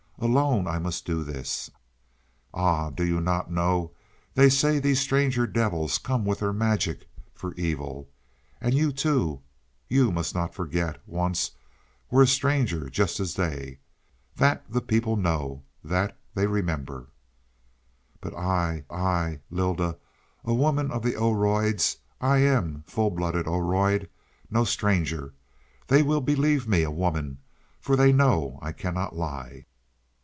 Alone I must do this. Ah, do you not know they say these stranger devils with their magic come for evil? And you too, must you not forget, once were a stranger just as they. That the people know that they remember. "But I I Lylda a woman of the Oroids I am full blooded Oroid, no stranger. And they will believe me a woman for they know I cannot lie.